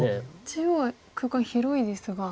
中央は空間広いですが。